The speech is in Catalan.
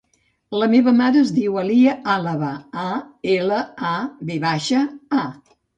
La meva mare es diu Alia Alava: a, ela, a, ve baixa, a.